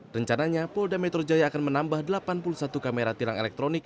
rencananya polda metro jaya akan menambah delapan puluh satu kamera tilang elektronik